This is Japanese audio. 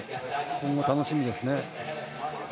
今後、楽しみですね。